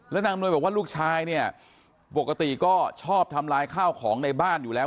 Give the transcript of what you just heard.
นางอำนวยบอกว่าลูกชายเนี่ยปกติก็ชอบทำลายข้าวของในบ้านอยู่แล้ว